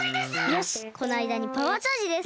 よしこのあいだにパワーチャージです。